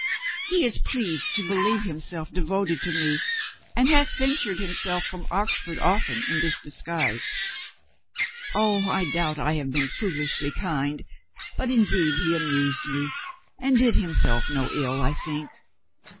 He is pleased to believe himself devoted to me, and hath ventured himself from Oxford often in this disguise. Oh, I doubt I have been foolishly 64 COLONEL GREATHEART kind, but indeed he amused me, and did himself no ill, I think.